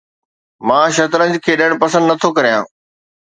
مان شطرنج کيڏڻ پسند نٿو ڪريان